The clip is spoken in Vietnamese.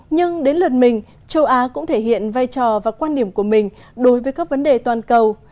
nhưng đến lượt mình châu á cũng thể hiện vai trò và quan điểm của mình đối với các vấn đề toàn cầu